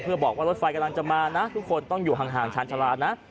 เพื่อบอกว่ารถไฟกำลังจะมานะทุกคนต้องอยู่ห่างชาญชาลานะ